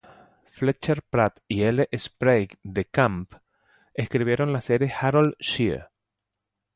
Fletcher Pratt y L. Sprague de Camp escribieron la serie Harold Shea.